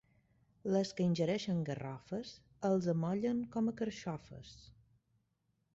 Les que ingereixen garrofes, els amollen com a carxofes.